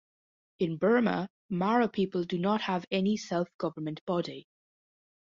In Burma, Mara people do not have any self-government body.